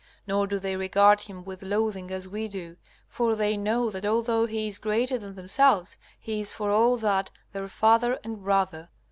Nor do they regard him with loathing as we do, for they know that although he is greater than themselves, he is for all that their father and brother.